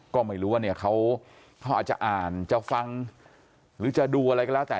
ก็ไม่รู้ว่าเนี่ยเขาอาจจะอ่านจะฟังหรือจะดูอะไรก็แล้วแต่